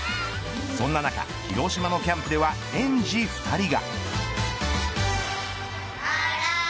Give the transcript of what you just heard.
そんな中広島のキャンプでは園児２人が。